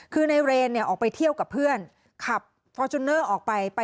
คือในเรนเนี่ยออกไปเที่ยวกับเพื่อนขับฟอร์จูเนอร์ออกไป